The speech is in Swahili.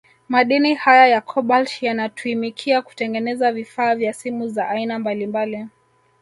Madini haya ya Kobalt yanatuimika kutengeneza vifaa vya simu za aina mbalimbali